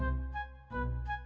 bukan masalah pak jody